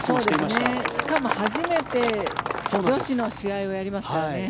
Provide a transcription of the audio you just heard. しかも初めて女子の試合をやりますからね。